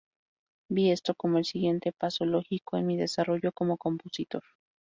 Vi esto como el siguiente paso lógico en mi desarrollo como compositor.